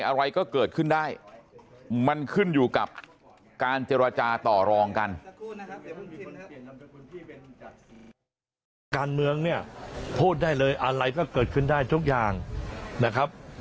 อะไรก็เกิดขึ้นได้ทุกอย่างนะครับ